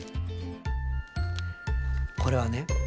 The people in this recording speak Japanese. これはね